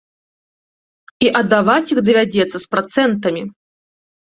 І аддаваць іх давядзецца з працэнтамі.